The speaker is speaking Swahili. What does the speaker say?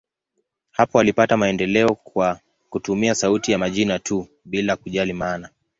Hapo walipata maendeleo kwa kutumia sauti ya majina tu, bila kujali maana.